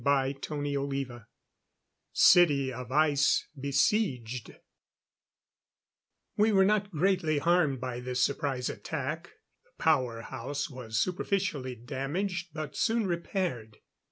CHAPTER XXXVI City of Ice Besieged We were not greatly harmed by this surprise attack; the power house was superficially damaged, but soon repaired.